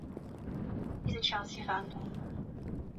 Kiswahili si dhaifu wa nadharia hii ni kwamba